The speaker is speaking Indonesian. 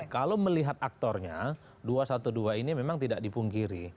kalau melihat aktornya dua ratus dua belas ini memang tidak dipungkiri